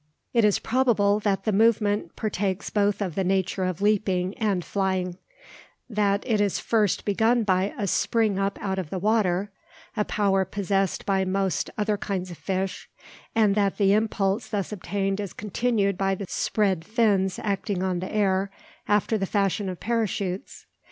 It is probable that the movement partakes both of the nature of leaping and flying: that it is first begun by a spring up out of the water, a power possessed by most other kinds of fish, and that the impulse thus obtained is continued by the spread fins acting on the air after the fashion of parachutes.